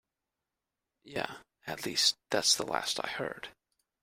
Yeah, at least that's the last I heard.